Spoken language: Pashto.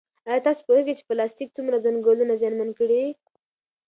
ایا تاسو پوهېږئ چې پلاستیک څومره ځنګلونه زیانمن کړي؟